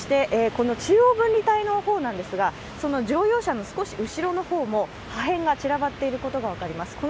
中央分離帯の方なんですが、乗用車の少し後ろの方も破片が散らばっていることが分かります。